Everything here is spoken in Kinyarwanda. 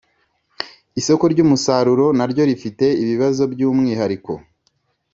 Isoko ry umusaruro naryo rifite ibibazo by umwihariko